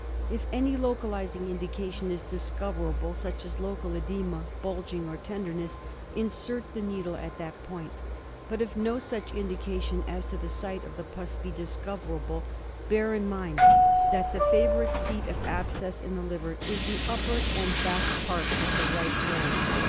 If any localising indication is discoverable, such as local oedema, bulging, or tender ness, insert the needle at that point ; but if no such indication as to the site of the pus be discoverable, bear in mind that the favourite seat of abscess in the liver is the upper and back part of the right lobe.